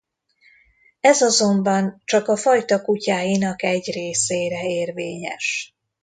Ez azonban csak a fajta kutyáinak egy részére érvényes.